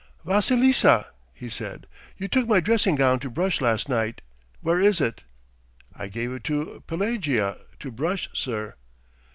"Vassilissa," he said, "you took my dressing gown to brush last night where is it?" "I gave it to Pelagea to brush, sir."